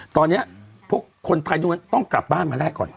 ตอนนี้พวกคนภายตรงนั้นต้องกลับบ้านมาได้ก่อน